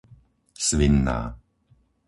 Svinná